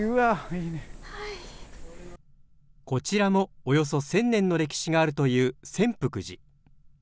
こちらも、およそ１０００年の歴史があるという千福寺。